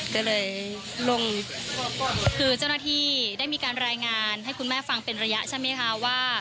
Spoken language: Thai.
ก็เลยลงคือเจ้าหน้าที่ได้มีการรายงานให้คุณแม่ฟังเป็นระยะใช่ไหมคะว่า